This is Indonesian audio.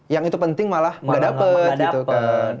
yang itu penting malah nggak dapat gitu kan